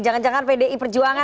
menjalankan pdi perjuangan